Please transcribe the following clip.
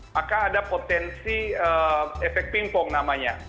maka ada potensi efek pingpong namanya